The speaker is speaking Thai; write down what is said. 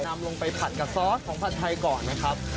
นำลงไปผัดกับซอสของผัดไทยก่อนนะครับ